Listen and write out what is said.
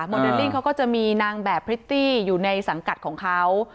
เดลลิ่งเขาก็จะมีนางแบบพริตตี้อยู่ในสังกัดของเขา